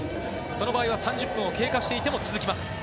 その場合は３０分を経過していても続きます。